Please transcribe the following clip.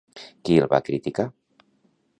Qui el va criticar?